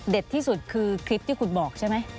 ที่สุดคือคลิปที่คุณบอกใช่ไหม